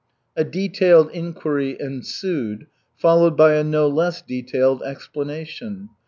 A detailed inquiry ensued, followed by a no less detailed explanation.